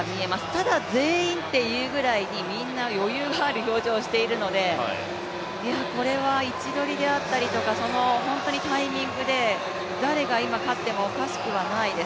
ただ全員というぐらいに、みんな余裕のある表情をしているのでこれは位置取りであったりとかタイミングで誰が今勝ってもおかしくはないです。